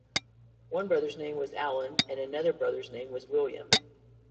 One brother's name was Allen and another brother's name was William.